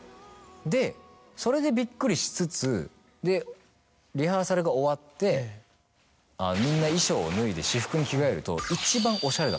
でそれでびっくりしつつリハーサルが終わってみんな衣装を脱いで私服に着替えると。